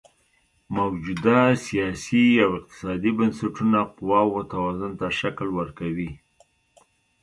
موجوده سیاسي او اقتصادي بنسټونه قواوو توازن ته شکل ورکوي.